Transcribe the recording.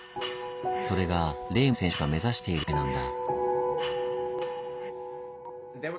それがレーム選手が目指している世界なんだ。